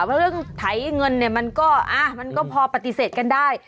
เพราะเรื่องไถเงินเนี่ยมันก็พอปฏิเสธกันได้